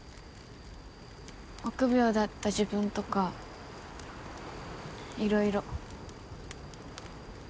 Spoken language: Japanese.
臆病だった自分とかいろいろ。